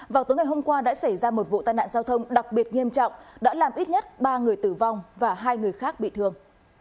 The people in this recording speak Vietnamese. vào tối ngày hôm qua đã xảy ra một vụ tai nạn giao thông đặc biệt nghiêm trọng đã làm ít nhất ba người tử vong và hai người khác bị thương